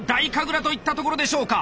楽といったところでしょうか！